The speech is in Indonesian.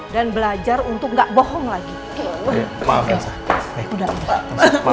kamu jalanin aja hukuman kamu dan belajar untuk mencari kemampuan kamu